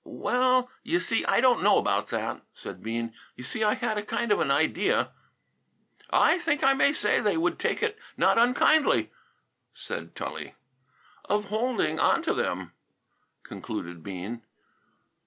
"Well, you see, I don't know about that," said Bean. "You see, I had a kind of an idea " "I think I may say they would take it not unkindly," said Tully. " of holding on to them," concluded Bean.